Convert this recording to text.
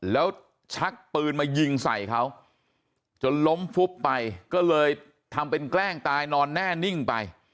แล้วชักปืนมายิงใส่เขาจนล้มฟุบไปก็เลยทำเป็นแกล้งตายนอนแน่นิ่งไป